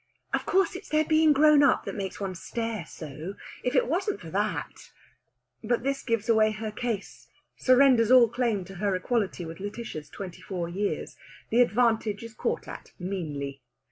"Of course, it's their being grown up that makes one stare so. If it wasn't for that...." But this gives away her case, surrenders all claim to her equality with Lætitia's twenty four years. The advantage is caught at meanly.